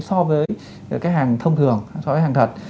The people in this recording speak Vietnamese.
so với cái hàng thông thường so với hàng thật